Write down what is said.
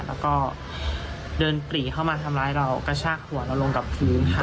แล้วก็เดินปรีเข้ามาทำร้ายเรากระชากหัวเราลงกับพื้นค่ะ